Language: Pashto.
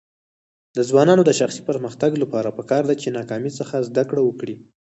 د ځوانانو د شخصي پرمختګ لپاره پکار ده چې ناکامۍ څخه زده کړه وکړي.